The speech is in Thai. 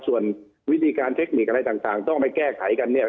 ส่วนวิธีการเทคนิคอะไรต่างต้องไปแก้ไขกันเนี่ย